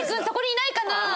そこにいないかな？